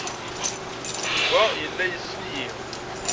Yuba yella yessen-iyi.